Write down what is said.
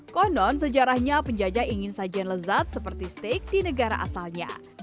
konon sejarahnya penjajah ingin sajian lezat seperti steak di negara asalnya